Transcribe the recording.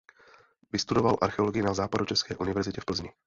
Vystudoval archeologii na Západočeské univerzitě v Plzni.